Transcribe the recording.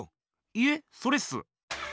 いえそれっす。